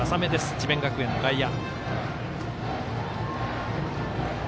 智弁学園の外野。